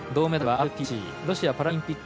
アテネパラリンピック